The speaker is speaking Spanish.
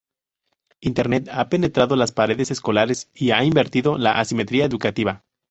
Internet ha penetrado las paredes escolares y ha invertido la asimetría educativa.